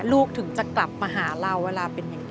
ลูกถึงจะกลับมาหาเราเวลาเป็นยังไง